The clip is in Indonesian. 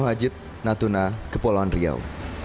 hajit natuna kepulauan riau